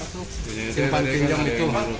simpan pinjam itu